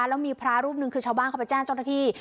แล้วมีพระรูปหนึ่งคือชาวบ้านของพระจ้านจตนที่